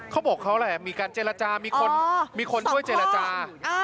เขาบอกเขาแหละมีการเจรจามีคนช่วยเจรจา